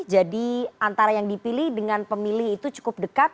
jadi antara yang dipilih dengan pemilih itu cukup dekat